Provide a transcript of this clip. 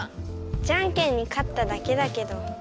じゃんけんにかっただけだけど。